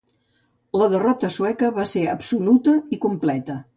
La derrota sueca va ser absoluta i completa.